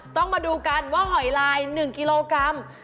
ต้องมาดูกันว่าหอยลาย๑กิโลกรัม